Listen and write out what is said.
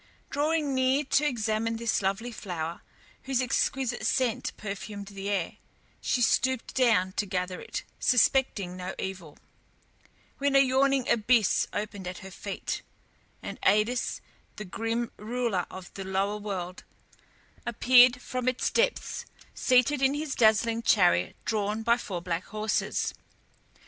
Drawing near to examine this lovely flower, whose exquisite scent perfumed the air, she stooped down to gather it, suspecting no evil, when a yawning abyss opened at her feet, and Aïdes, the grim ruler of the lower world, appeared from its depths, seated in his dazzling chariot drawn by four black horses.